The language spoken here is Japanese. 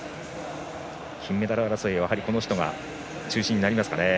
金メダル争いは、やはりこの人が中心になりますかね。